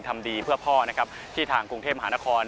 ทำดีเพื่อพ่อที่ทางกรุงเทพฯมหานคร